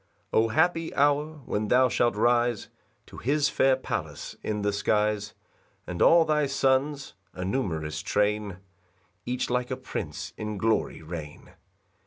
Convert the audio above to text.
5 O happy hour, when thou shalt rise To his fair palace in the skies, And all thy Sons (a numerous train) Each like a prince in glory reign!